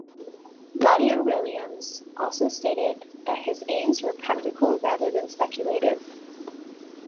Monier Williams also stated that his aims were practical rather than speculative.